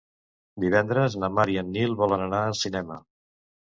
Divendres na Mar i en Nil volen anar al cinema.